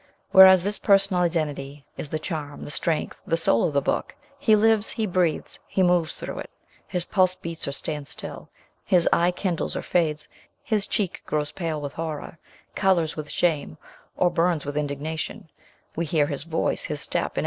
Whereas, this personal identity is the charm, the strength, the soul of the 'book ; he lives, he breathes, he moves through it ; his pulse beats or stands still, his eye kindles or fades, 'his cheek grows pale with horror, colours with shame, or burns with indignation ; we hear his voice, his step, in 208 MES.